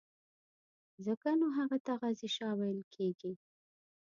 ځکه نو هغه ته غازي شاه ویل کېږي.